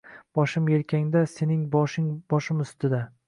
Boshim yelkangda sening boshing boshim ustida…